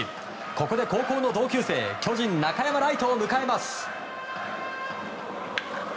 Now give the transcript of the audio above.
ここで、高校の同級生巨人、中山礼都を迎えます。